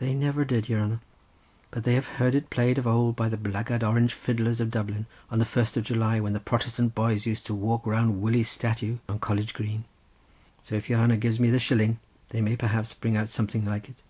"They never did, your hanner; but they have heard it played of ould by the blackguard Orange fiddlers of Dublin on the first of July, when the Protestant boys used to walk round Willie's statue on College Green—so if your hanner gives me the shilling they may perhaps bring out something like it."